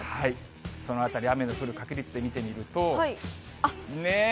そのあたり、雨の降る確率で見てみると。